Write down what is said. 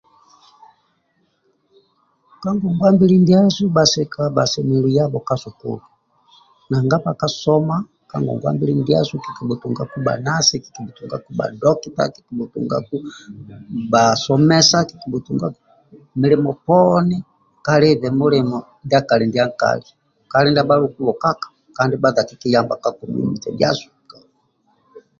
Ka ngongwa mbili ndiasu bhasika bhasemelelu yabho ka sukulu nanga bhakasoma ka ngongwa mbili ndiasu kikibhutungaku bha nasi kikibhutungaku bha dokita kikibhutungaku bhasomesa mililimo poni kalibe mulimo ndia kali ndia nkali kali bhaluku bhokaka